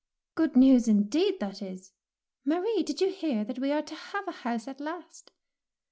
'*" Grood news, indeed, that is. Marie, did yon hear that we are to have a house at last